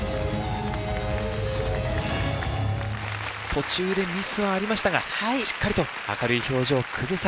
途中でミスはありましたがしっかりと明るい表情を崩さず演技をし終えています。